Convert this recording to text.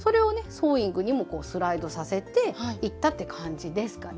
ソーイングにもスライドさせていったって感じですかね。